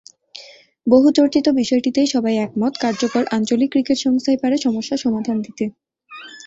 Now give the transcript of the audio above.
বহুচর্চিত বিষয়টিতেই সবাই একমত—কার্যকর আঞ্চলিক ক্রিকেট সংস্থাই পারে সমস্যার সমাধান দিতে।